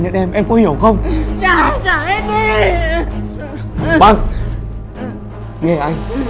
tôi không hỏi anh